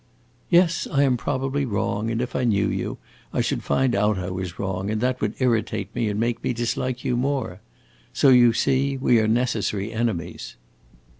"Yes, I am probably wrong, and if I knew you, I should find out I was wrong, and that would irritate me and make me dislike you more. So you see we are necessary enemies."